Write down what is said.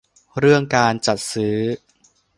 เรื่องการจัดซื้อ